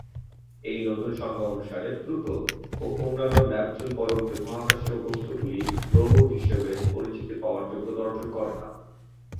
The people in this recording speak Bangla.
এই নতুন সংজ্ঞা অনুসারে, প্লুটো এবং অন্যান্য নেপচুন-পরবর্তী মহাকাশীয় বস্তুগুলি গ্রহ হিসাবে পরিচিতি পাওয়ার যোগ্যতা অর্জন করে না।